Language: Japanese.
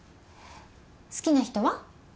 好きな人は？